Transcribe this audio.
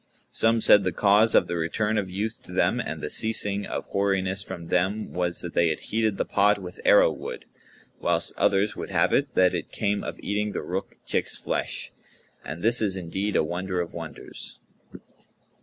Some said the cause of the return of youth to them and the ceasing of hoariness from them was that they had heated the pot with arrow wood, whilst others would have it that it came of eating the Rukh chick's flesh; and this is indeed a wonder of wonders.